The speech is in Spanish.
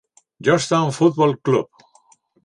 Johnstone Football Club.